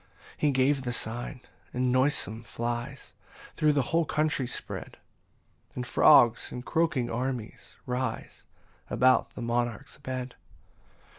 11 He gave the sign, and noisome flies Thro' the whole country spread; And frogs, in croaking armies, rise About the monarch's bed.